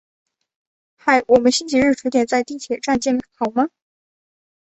嗨，我们星期日十点在地铁站见好吗？